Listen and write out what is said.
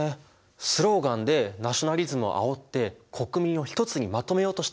スローガンでナショナリズムをあおって国民を一つにまとめようとしたってことか。